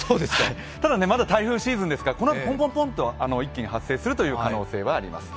ただまだ台風シーズンですからこのあとぽんぽんと一気に発生するという可能性はあります。